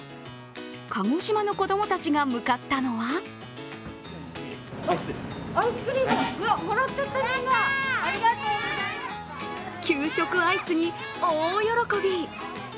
鹿児島の子供たちが向かったのは給食アイスに大喜び！